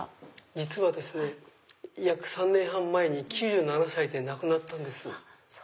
実はですね約３年半前に９７歳で亡くなったんです。